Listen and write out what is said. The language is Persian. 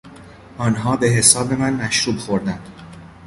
آنها به حساب من مشروب خوردند.